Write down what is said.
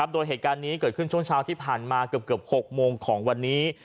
โดยเหตุการณ์นี้เกิดขึ้นช่วงเช้าที่ผ่านมาเกือบ๖โมงของวันนี้